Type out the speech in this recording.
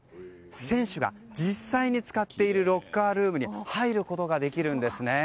選手が実際に使っているロッカールームに入ることができるんですね。